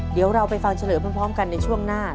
เดี๋ยวเราไปฟังเฉลยพร้อมกันในช่วงหน้า